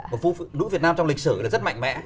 của phụ nữ việt nam trong lịch sử là rất mạnh mẽ